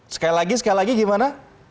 sekali lagi sekali lagi gimana